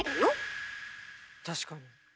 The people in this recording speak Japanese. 確かに。